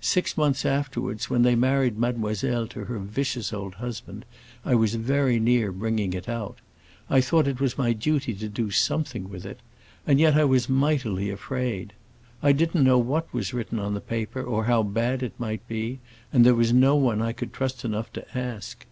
Six months afterwards, when they married Mademoiselle to her vicious old husband, I was very near bringing it out. I thought it was my duty to do something with it, and yet I was mightily afraid. I didn't know what was written on the paper or how bad it might be, and there was no one I could trust enough to ask.